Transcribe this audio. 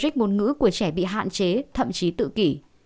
cứu của trẻ bị hạn chế thậm chí tự kỷ